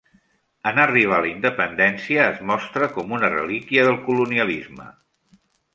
En arribar la independència, es mostra com una relíquia del colonialisme.